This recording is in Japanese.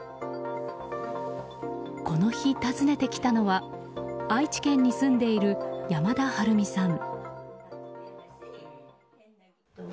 この日、訪ねてきたのは愛知県に住んでいる山田はるみさん。